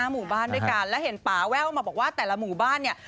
หมู่บ้านด้วยกันแล้วเห็นป่าแว่วมาบอกว่าแต่ละหมู่บ้านเนี่ย